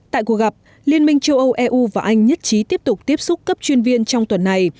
tại cuộc gặp liên minh châu âu eu và anh nhất trí tiếp tục tiếp xúc cấp chuyên viên trong tuần này